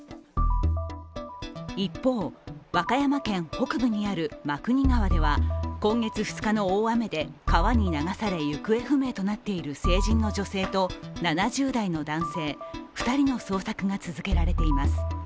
一方、和歌山県北部にある真国川では今月２日の大雨で川に流され行方不明となっている成人の女性と７０代の男性２人の捜索が続けられています。